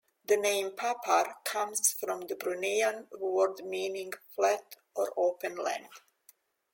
The name 'Papar' comes from a Bruneian word meaning 'flat or open land'.